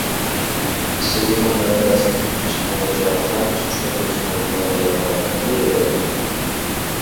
سىز ئۇنىڭ مەنبەسىنى تېپىپ چىقمىغۇچە، قانچە چۈشەندۈرسىڭىزمۇ يامراپ مېڭىۋېرىدۇ.